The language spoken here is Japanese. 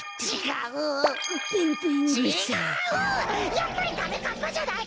やっぱりダメかっぱじゃないか！